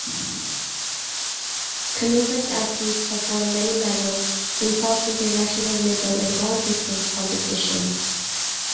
Canova's athletes have won many medals in top international middle and long distance competitions.